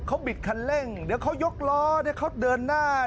เขาบิดคันเร่งยกล้อแล้วเขาเดินหน้า